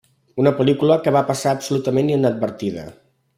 Una pel·lícula que va passar absolutament inadvertida.